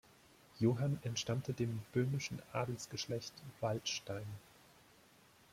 Johann entstammte dem böhmischen Adelsgeschlecht Waldstein.